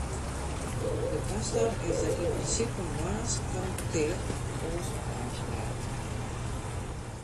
De pastor is der yn prinsipe moarns foar in petear, of oars op ôfspraak.